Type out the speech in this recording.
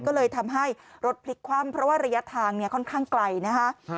ก็เลยทำให้รถพลิกคว่ำเพราะว่าระยะทางเนี่ยค่อนข้างไกลนะคะ